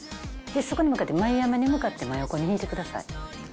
そこに向かって眉山に向かって真横に引いてください。